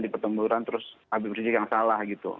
di pertempuran terus habib rizik yang salah gitu